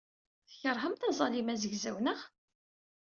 Tkeṛhemt aẓalim azegzaw, naɣ?